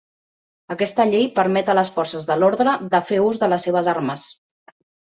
Aquesta llei permet a les forces de l'ordre de fer ús de les seves armes.